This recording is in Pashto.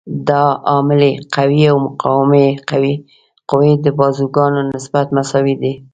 د عاملې قوې او مقاومې قوې د بازوګانو نسبت مساوي دی.